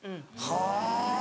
はぁ。